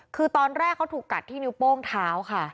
คือตอนแรกเขาถูกกัดที่นิ้วโป้งเท้าค่ะ